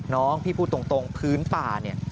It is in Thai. น้องพี่พูดตรงพื้นป่าเนี่ย